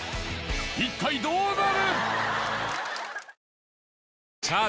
一体どうなる？